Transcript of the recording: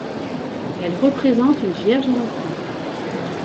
Elle représente une Vierge à l'Enfant.